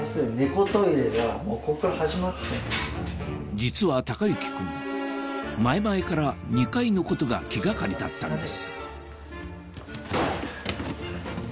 実は孝之君前々から２階のことが気掛かりだったんです